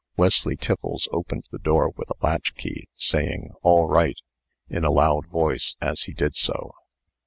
Wesley Tiffles opened the door with a latch key, saying, "All right!" in a loud voice, as he did so.